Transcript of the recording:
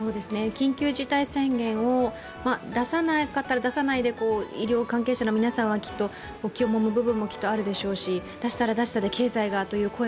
緊急事態宣言を出さなかったら出さないで医療関係者の皆さんはきっと気をもむ部分もあるでしょうし出したら出したで経済がという